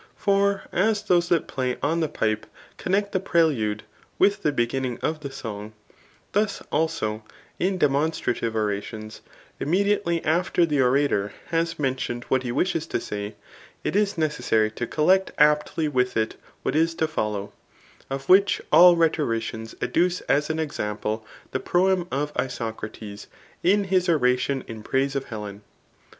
For as those that play on the pipe connect the prelude with the beginning of the song ; thus, also, in demonstrative orah tions, unmediately aJFter the orator has mentioned what CHAP, XIV. RHETORIC. 25? he wishes to say, it is necessary to collect aptly with it what is to follow ; of which all rhetoricians adduce as an example, the proem of Isoc rates in his o^ ation in praise of Helen.